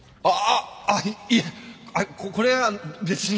あっいえこれは別にハハハ！